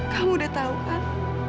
kamu udah tahu kan